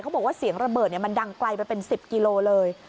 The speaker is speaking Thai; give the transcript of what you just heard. บอกว่าเสียงระเบิดมันดังไกลไปเป็น๑๐กิโลเลย